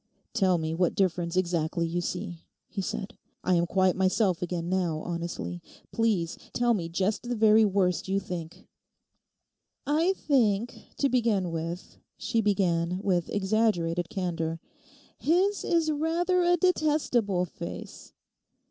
'Tell me what difference exactly you see,' he said. 'I am quite myself again now, honestly; please tell me just the very worst you think.' 'I think, to begin with,' she began, with exaggerated candour, 'his is rather a detestable face.